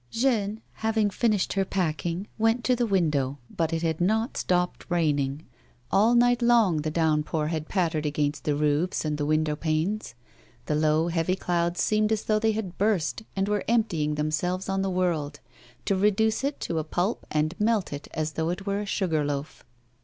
Jeanne, having finished her packing, went to the window, but it had not stopped raining. All night long the downpour had pattered against the roofs and the window panes. The low, heavy clouds seemed as though they had burst, and were emptjnng them selves on the world, to reduce it to a pulp and melt it as though it were a sugar loaf.